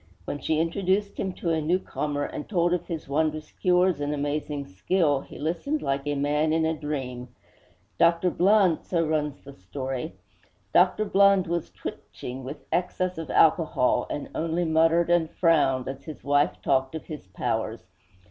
When she introduced him to a newcomer, and told of his wondrous cures and amazing skill, he listened like a man in a dream. 'Dr. Blund,' so runs the story 'Dr. Blund was twitching with excess of alcohol, and only muttered and frowned as his wife talked of his powers.